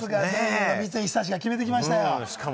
三井寿が決めてきましたよ。